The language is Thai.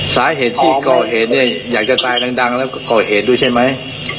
สาเหตุที่ก่อเหตุอยากจะตายดังก่อเหตุดูใช่ไหม